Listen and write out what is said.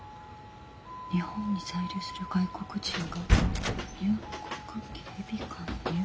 「日本に在留する外国人が入国警備官や」。